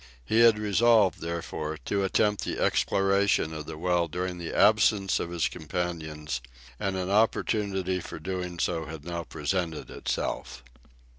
He had resolved, therefore, to attempt the exploration of the well during the absence of his companions, and an opportunity for doing so had now presented itself.